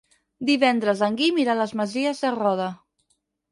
Divendres en Guim irà a les Masies de Roda.